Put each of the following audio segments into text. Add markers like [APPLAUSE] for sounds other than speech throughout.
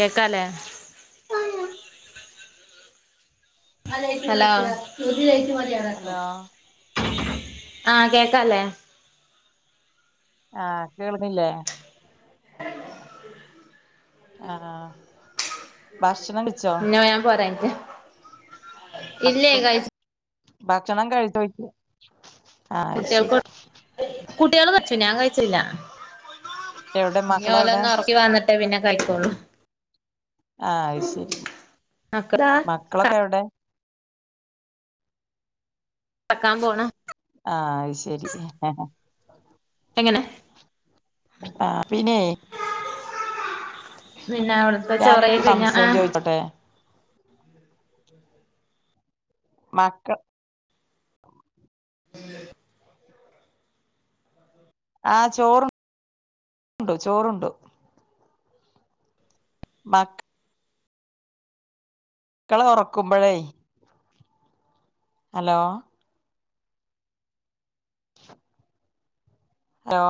കേകാലെ hello hello ആഹ കേക്കല്ലേ ആഹ് കേൾക്കല്ലെ [UNINTELLIGIBLE] ആഹ ഭക്ഷണം വെച്ചോ [UNINTELLIGIBLE] ഞാൻ പോരായിട്ട ഭക്ഷണം ഭക്ഷണം കഴിച്ചോക കുട്ടികൾക്ക് കുട്ടിയാൾ കഴിച്ചു ഞാൻ കഴിച്ചില്ല എവിടെ മക്കളെവിടെ ഇഞ്ഞോലൊന്നു ഉറക്കി വന്നിട്ടേ പിന്നെ കഴികൊള്ളു ആ അത് ശരി മക്കളാ മക്കളൊക്കെ എവിടെ തക്കാൻ പോണ ആഹ അത് ശരി ആ ആ എങ്ങനെ ആ് പിന്നെ പിന്നെ അവിടുത്തെ ചോറെ ഞാനൊരു കഴിഞ്ഞ ആ [UNINTELLIGIBLE] മാക്കൾ ഉം ആഹ ചോറു ണ്ടു ചോറുണ്ടു ബാക്ക ക്കളെ ഉറക്കുമ്പഴേ ഹലോ ഹലോ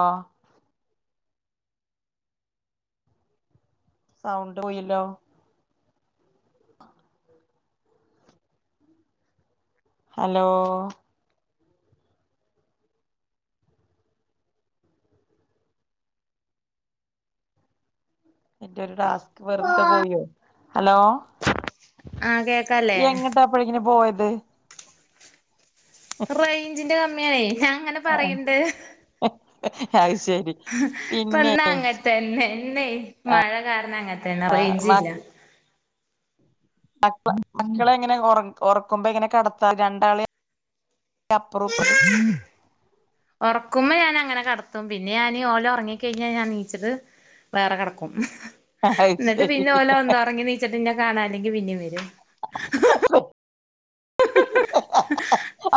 സൗണ്ട് പോയില്ലോ ഹലോ എന്റെ ഒരു ടാസ്ക് വെറുതെ പോയോ ഹലോ ആഹ് കേൾക്കാ എങ്ങിട്ടാ അപ്പോഴേക്ന് പോയത് റൈഞ്ചിന്റെ കമ്മിയാണെ ഞാൻ ഇങ്ങനെ [UNINTELLIGIBLE] ആ അത് ശരി ഇപ്പം പിന്നെ ന്നഅങ്ങത്തന്നെ ഇന്ന് മഴ കാരണം അങ്ങത്തന്നെ തന്നെ റേഞ്ച്ല്ല മക്ക ളെ മക്കളെ എങ്ങനെ ഉറാ ഉറക്കുമ്പോ എങ്ങനെ കടത്താ രണ്ടാളീം അപ്പറം ഇപ്പറും [UNINTELLIGIBLE] ഉറക്കുമ്പോ ഞാഞങ്ങനെ കടത്തും പിന്നെ ഞാന് ഓല് ഉറങ്ങിക്കഴിഞ്ഞാൽ ഞാൻ നീച്ചത് വേറെ കെടക്കും അത് ന്നിട്ട് ശരി പിന്നെ ഓല് ഒന്നും ഉറങ്ങി നീച്ചിട്ട് ന്നെ കാണാനില്ലെങ്കി പിന്നെ വരും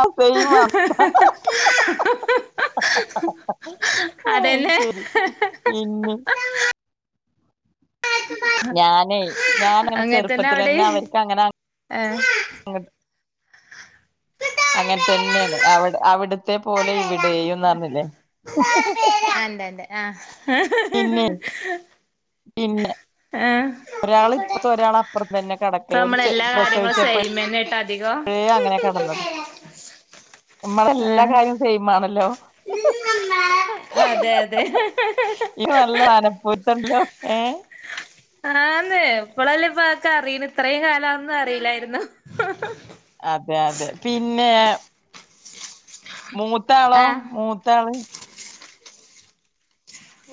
ആ സെയിം അവസ്ഥ. [UNINTELLIGIBLE] അതന്നെ ഇമ്മേ ഞാനേ ഞാനങ്ങനെ അങ്ങനെ ചെറുപ്പത്തിൽ അവിടിം തന്നെ അവർക്ക് അങ്ങനെ ഏഹ് അങ്ങനെ ആഹ് തന്നെയാണ് അവി അവിടത്തെ പോലെ ഇവിടെയും എന്ന് പറഞ്ഞില്ലേ ഉ [UNINTELLIGIBLE] അന്തണ്ട് ആഹ പിന്നെ പിന്നെ യെ ഒരാള് ഇപ്പറത്ത് ഒരാള് അപ്പുറത്ത് തന്നെ ഇപ്പ കടക്കല് ഓല് നമ്മൾ ചെ എല്ലാ കാര്യങ്ങളും പ്രസവിച്ചപ്പഴേ സൈൽമാൻ ആയിട്ട് [UNINTELLIGIBLE] നമ്മടെ എല്ലാ കാര്യം സൈമാണല്ലോ അതെ അതെ പലപ്പോയും [UNINTELLIGIBLE] ഏ ആന്ന് ഇപ്പളല്ലേ ഇപ്പക്കെ അറിയണത് ഇത്രയും കാലന്നും അറിയില്ലായിരുന്നു. അതെ അതെ പിന്നെ മൂത്താളോ ആഹ് മൂത്താള്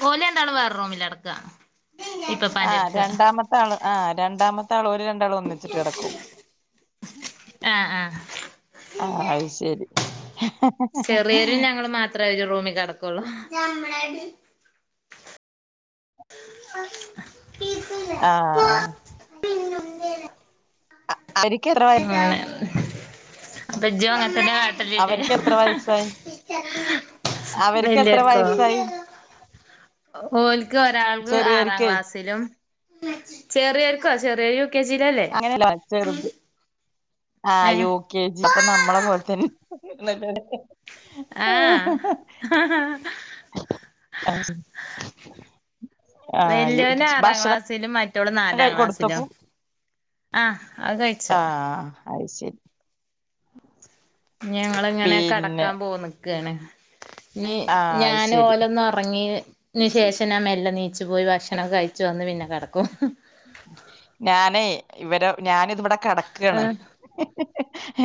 ഓലുരണ്ടാളും വേറെ റൂമിൽ കിടക്ക ആ രണ്ടാമത്തെ ആൾ ആ രണ്ടാമത്തെ ആൾ ഒരു രണ്ടാളും ഒന്നി ച്ചിടക്കും ആഹ് ആഹ് ആ അത് ശരി ചെറിയ രും ഞങ്ങളും മാത്ര ഈ റൂമിൽ കിടക്കുള്ളു ആഹ [INAUDIBLE] ആഹ് അ [UNINTELLIGIBLE] [UNINTELLIGIBLE] അപ്പെ ഇജ്ജ് അങ്ങൾ തന്നെ അവർക്ക് [UNINTELLIGIBLE] എത്ര വയസ്സായി അവർക്ക് എത്ര വല്യർക്കേ വയസ്സായി ഓൽക്ക് ഒരാൾക്ക് ആറാം ചെറിയവർക്കേ ക്ലാസ്സിലും ചെറിയോര്ക്കോ ചെറിയൊ കെ ജി ലല്ലെ? അങ്ങനെയല്ല ചെറുത് ആ യു കെ ജി അപ്പോ നമ്മളെ പോലെ തന്നെ ലെ ആഹ് [UNINTELLIGIBLE] ആ യു- വല്യാന്ആറാം ഭക്ഷണം ക്ലാസ്സിലും മറ്റോൾ നാലാം കഴി- കൊടുത്തപ്പോ ക്ലാസ്സിലും അ അത് കഴി ആഹ അത് ശരി ഞങ്ങളങ്ങനെ പിന്നെ കടക്കാൻ പോ നിക്കാണ് ഞ് ആ അത് ഞാന് ശരി ഓലോന്ന് ഒറങ്ങി അയ്ന്ശേഷം ഞാന് മെല്ലെ നീച്ചു പോയി ഭക്ഷണം കഴിച്ചു വന്ന് പിന്നെ കിടക്കും. ഞാനെ ഇവരോ ഞാന് ഇത് ഇവിടെ കിടക്കാണ് ആഹ്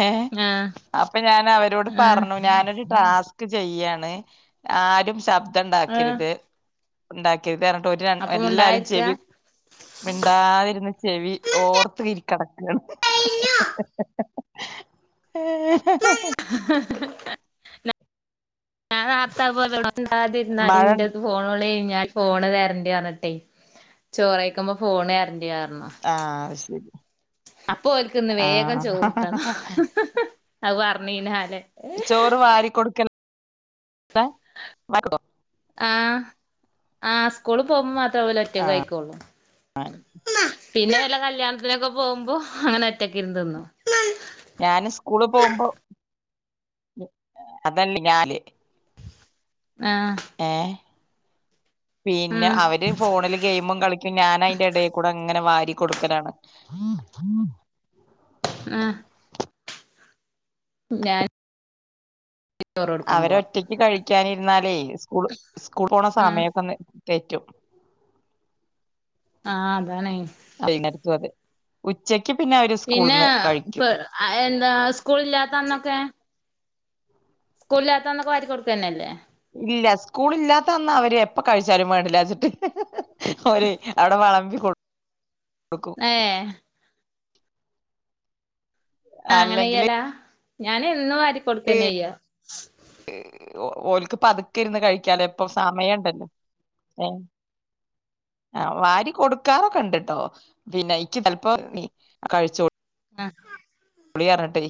ഏ ആഹ് അപ്പോ ഞാൻ അവരോട് ആഹ് പറഞ്ഞു ഞാനൊരു ടാസ്ക് ചെയ്യാണ് ആരും ശബ്ദം ആഹ് ഉണ്ടാക്കരുത് ഉണ്ടാക്കരത് പറഞ്ഞ്ട്ട് ഓര് രണ് അപ്പൊ എല്ലാരും മുണ്ടാതിരിക്ക ചെവി മിണ്ടാതിരുന്ന് ചെവി ഓർത്ത് കിടക്കാണ്. [INAUDIBLE] [UNINTELLIGIBLE] മഴ ഫോൺ ളി കഴിഞ്ഞാൽ ഫോണ്തര്ണ്ട് പറഞ്ഞിട്ട്, ചോറഴിക്കുമ്പോൾ ഫോണ് തര്ണ്ട് പറഞ്ഞു ആഹ് അത് ശരി അപ്പോ ഓർക്ക് ഇന്ന് വേഗം ആഹ് ചോറിട്ടണം അത് പറഞ്ഞീനാലേ ചോറ് വാരികെടുക്കൽ [UNINTELLIGIBLE] ആ ആ സ്കൂളിൽ പോകുമ്പോ മാത്ര ഇവൽ ഒറ്റക്ക് ആ കഴക്കോള്ളൂ പിന്നെ വല്ല കല്യാണത്തിനൊക്കെ പോകുമ്പോ അങ്ങനെ ഒറ്റക്കെ ഇരുന്ന് തിന്നും ഞാന് സ്കൂള് പോകുമ്പോ അതല്ലേ ഞാന് ആ ഏഹ് പിന്നെ ഉം അവര് ഫോണില് ഗെയിമും കളിക്കും ഞാൻ അയിൻ്റെ ഇടയിൽക്കൂടെ അങ്ങനെ വാരി കൊടുക്കലാണ്. [INAUDIBLE] ആ ഞാൻ ചോറ് അവര കൊടുക്കുമ്പോ ഒറ്റക്ക് കഴിക്കാനിരുന്നാലേ സ്കൂൾ സ്കൂൾ പോണ ഉം സമയമൊക്കെ തെറ്റും ആ അതാണ് [UNINTELLIGIBLE] ഉച്ചക്ക് പിന്നെ അവര് സ്കൂളെന്ന് കഴിക്കും ആ എന്താ സ്കൂളില്ലാത്ത അന്നൊക്കെ സ്കൂളില്ലാത്തന്നൊക്കെ വാരികൊടുക്ക തന്നെയല്ലേ ഇല്ല സ്കൂളില്ലാത്ത അന്ന് അവര് എപ്പ കഴിച്ചാലും വേണ്ടില്ലാച്ചിട്ട് അവര് അവിടെ വിളമ്പി കൊടു ഏഹ്... ! ആ അല്ലെങ്കില് അങ്ങനെയ്യെലാ ഞാൻ എന്നും വാരികൊടുക്കന്നെ ചെയ്യാ ഓൽക്ക് പതുക്കെ ഇരുന്ന്- കഴിക്കാലോ ഇപ്പം സമയം ഉണ്ടല്ലോ. ഏ ആ വാരി കൊടുക്കാറൊക്കെ ഉണ്ട്ട്ടോ പിന്നെ ജ്ജ് ചിലപ്പോ കഴിച്ചോ ആ പുളിയാ റിനിട്ടേ.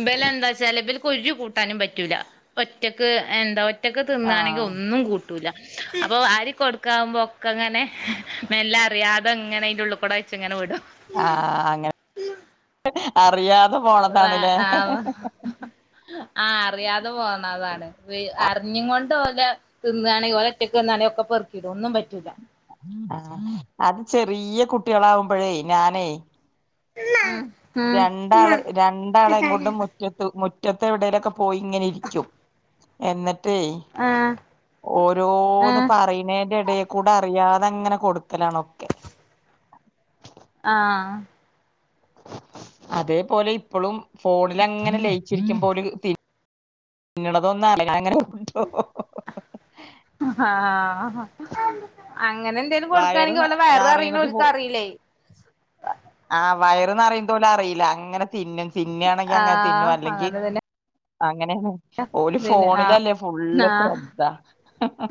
ഇബല് എന്താ വച്ചാല്, ഇബല്ക്ക് ഒരു കൂട്ടാനും പറ്റൂല ഒറ്റക്ക് എന്താ.. ! ഒറ്റക്ക് തിന്നാണെങ്കിൽ ആഹ് ഒന്നും കൂ- കിട്ടൂല അപ്പൊവാരി കൊടുക്കാമ്പോക്കങ്ങനെ മെല്ലെ അറിയാതെ ഇങ്ങനെ അതിന്റെള്ളികൂടെ ജ് എങ്ങനെ വിടോ ആഹാ അങ്ങനെ അറിയാതെ പോണതാണ്ല്ലേ. ആഹാ അറിയാതെ പോന്നതാണ്. അറിഞ്ഞും കൊണ്ട് ഓല്- തിന്നാണെങ്കി ഓല് ഒറ്റക്ക് വന്നാണെ ഒക്കെ പെറുക്കി ഇടും ഒന്നും പറ്റൂല്ല അത് ചെറിയ കുട്ടികളാവുമ്പഴേ ഞാനേ [INAUDIBLE] രണ്ടാളെ ഉം രണ്ടാളെയും കൊണ്ടും ആഹ് മുറ്റത്ത് മുറ്റത്തെവിടെലുമൊക്കെ പോയി ഇങ്ങനെയിരിക്കും എന്നിട്ടേ ആഹ് ഓരോന്നുപറയും അതിന്റെ ഇടെകൂടെ അറിയാതെ, അങ്ങനെ കൊടുക്കലാണൊക്കെ. ആ അതേപോലെ ഇപ്പോളും ഫോണിൽ അങ്ങനെ ലയിച്ചിരിക്കും പോലും. നിങ്ങളെതോന്ന് ഒന്ന് [UNINTELLIGIBLE] ആ ഹാ ഹ അങ്ങനെ എന്തേലും വയറ് കൊടുക്കുകയാണെങ്കിൽ ഓലെ വയറ് നിറയുന്നെ ഓൽക്ക് അറിയില്ലേ ആഹാ വയറ് നിറയുന്ന പോലും- അറിയില്ല അങ്ങനെ തിന്നും, തിന്നയാണെങ്കി അങ്ങനെ തിന്നും. ആഹ് അല്ലെങ്കിൽ അങ്ങനെ തന്നെ അങ്ങനെയാണ് ഓല് പിന്നെ ആഹ് ഫോണിലല്ലേ ഫുള്ള് ശ്രദ്ധ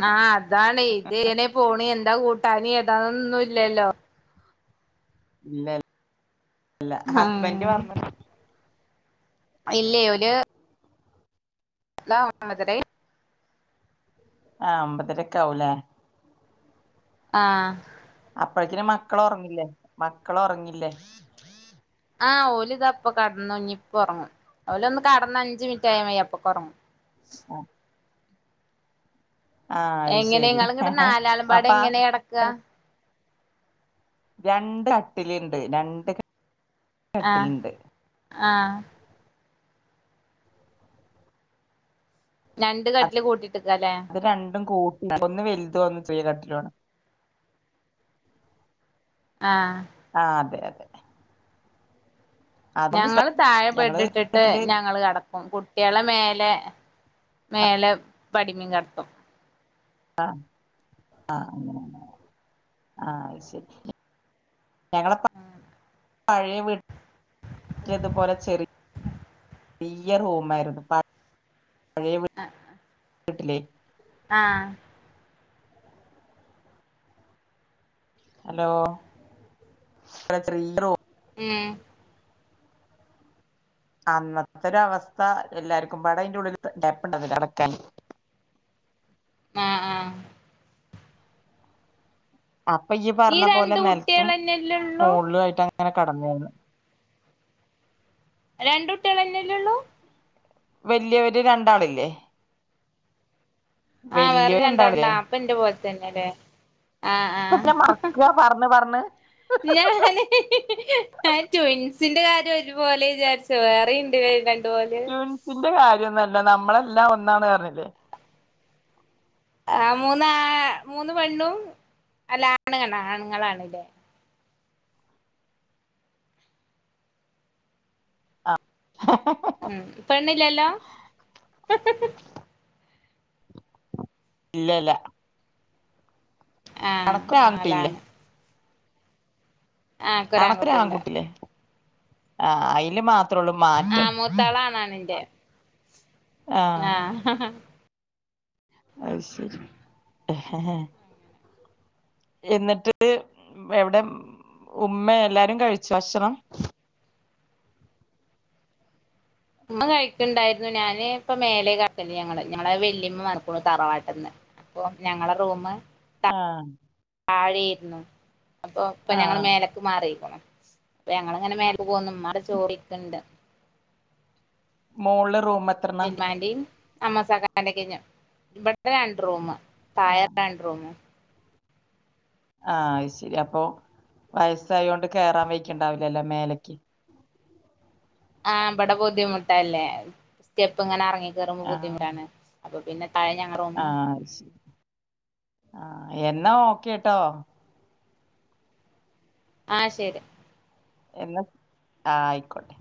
ആഹാ അതാണേ ഇതെങ്ങനെ- പോണെ എന്താ കൂട്ടാന്, ഏതാന്നൊന്നും ഇല്ലല്ലോ! ഇല്ലല്ല ഉം ഹസ്ബൻഡ് വന്നോ? ഇല്ലേ ഓല് [UNINTELLIGIBLE] ആ ഒമ്പതരയൊക്കെ ആവുല്ലേ ആ അപ്പഴക്കിനും മക്കള് ഉറങ്ങില്ലേ? മക്കള് ഉറങ്ങില്ലേ? ആ ഓലിത് അപ്പൊ കിടന്നൊങ്ങി ഇപ്പ ഒറങ്ങും ഓല് ഒന്ന് കെടന്ന് അഞ്ചുമിനിറ്റായ മയി അപ്പൊക്കൊറങ്ങും ആഹാ.. ! അത് എങ്ങനെ ശരി നിങ്ങള് ഇങ്ങട്, നാലാളുമ്പാട് അപ്പൊ ആ എങ്ങനെയാ കിടക്കുക? രണ്ട് അട്ടിലുണ്ട് രണ്ട് ക ആഹാ ആഹാ... ! രണ്ട് കട്ടില് കൂട്ടിട്ട്ക്ക്ക്കാലെ. അത് രണ്ടും കൂട്ടണ്ട ഒന്നുവലുതും ഒന്നു ചെറിയ കട്ടിലുമാണ് ആ ആഹാ അതെ അതെ.. ! ഞങ്ങള് താഴെ ഞങ്ങള് ബെഡ്ഇട്ടിട്ട് വീട്ടില് ഞങ്ങള് കിടക്കും കുട് കുട്ടികളേ മേലെ മേലെ പടിമിക്കെടത്തും ആം ആം ആ അയ്സെരി ഞങ്ങളൊക്കെ പഴേ വീട്ടി ഇതുപോലെ ചെറി ചെിയ റൂം ആയിരുന്നു പ പഴയ വീട്ട് ലെ ആഹ ഹലോ എെററോ [UNINTELLIGIBLE] ഹേ അന്നത്തെ ഒരു അവസ്ഥ എല്ലാർക്കുംപാടെ അയ്ന്റെ ഉള്ളിൽ കേപ്പ്ണ്ടായ്രന്നില്ലഅടക്കൻ ആഹ ആഹ അപ്പൊ ഇയ്യ് ഈ പറഞ്ഞ പോലെ രണ്ട് നെലത്തും കുട്ടികളന്നെല്ലേ ഉള്ളൂ മോളിലും ആയിട്ട് അങ്ങനെ കടനീനെ രണ്ട്കുട്ടികളന്നെല്ലേ ഉള്ളൂ. വലിയവര് രണ്ടാളില്ലേ ആഹ് വേറെ വല്ല്യോര് രണ്ടാള് ഉണ്ടാ രണ്ടാളില്ലേ അപ്പ എന്റെ പോലത്തന്നെല്ലേ. അ കുട്ടിനെമറക്ക പറഞ്ഞ്പറഞ്ഞു - ഞാനേ [UNINTELLIGIBLE] ആ ട്വിൻസിന്റെ കാര്യം ഒരുപോലെ വിചാരിച്ച വേറെ ഇണ്ട് രണ്ട്പോലെ ന്റെ കാര്യംന്നല്ല നമ്മളെല്ലാം ഒന്നാണ് പറഞ്ഞില്ലേ? ആ മൂന്ന് മൂന്ന് പെണ്ണും അല്ല ആണുങ്ങ ആണുങ്ങളണല്ലേ ആ [UNINTELLIGIBLE] ഉ പെണ്ണില്ലല്ലോ? ഹി ഹേ ഹേ ഇല്ലല്ല ആ അനക്കൊരു ആൺകുട്ടിയില്ലേ ആലെണ് അണക്ക് ഒരു എനിക്കൊരാൺകുട്ടിയുണ്ട് ആൺകുട്ടിലേ ആഹ അതിൽ മാത്രേ ഉള്ളൂ മാറ്റം ആണാണ എന്റെ ആഹ് ആഹ ഹ ആഹ് അയ് ശരി ഹേ ഹേ എന്നിട്ട് എവിടെ ഉമ്മ എല്ലാരും കഴിചോ ഭക്ഷണം ഉമ്മ കഴിക്കുണ്ടായിരുന്നു ഞാന് ഇപ്പ മേലെ കക്കല്ലേ ഞങ്ങള് ഞങ്ങളെ വല്യമ്മ മറക്കുന്നു തറവാട്ടന്ന് അപ്പ ഞങ്ങള റൂം ആഹ താഴെയിരുന്നു അപ്പൊ ഇപ്പൊ ഞങ്ങൾ ആഹ് മേലക്ക് മാറിക്ണാഅപ്പോ ഞങ്ങിങ്ങനെ മേലെ ക്ക് പോന്നു ഇമ്മടെ ചേർന്നിരിക്ട മോള് റൂമത്ത് ഇന്മാന്റെയും അമ്മോസക്കാക്കന്റെ കയ്ഞ്ഞു ഇവിടത്തെ രണ്ട് റൂം ആ താഴേത്ത രണ്ട്റൂമും ആഹ അത് ശരി അപ്പൊ വയസ്സായോണ്ട് കേയറാൻ വയിക്കണ്ടാവില്ലല്ലോ മേലക്ക്. ആഹ ഇവിടെ ബുദ്ധിമുട്ടല്ലേ സ്റ്റെപ്പ ഇങ്ങനെ എറങ്ങി കേയറുമ്പോ ബുദ്ധിമുട്ടാണ് അപ്പൊ പിന്നെ തഴഞ്ഞ ആഹ ശരി ആഹ എന്നാ ഒക്കെട്ടോ ആഹ ശരി എല്ലാ ആഹ ആയിക്കോട്ടെ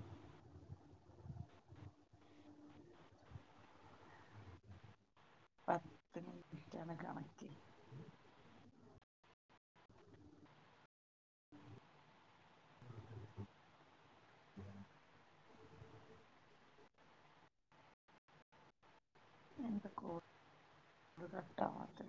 പത്ത് മിനിറ്റാണ് കണക്ക് എന്തൊകോൾ കട്ടാവാത്തെ